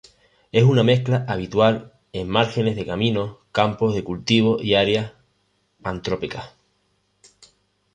Es una maleza habitual en márgenes de caminos, campos de cultivo y áreas antrópicas.